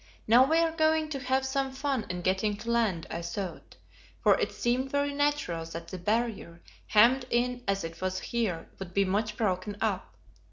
Now we are going to have some fun in getting to land, I thought, for it seemed very natural that the Barrier, hemmed in as it was here, would be much broken up.